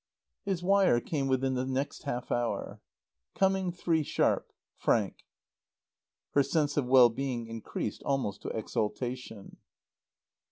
His wire came within the next half hour. "Coming three sharp. FRANK." Her sense of well being increased almost to exaltation.